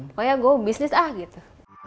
pokoknya gue bisnis ah gitu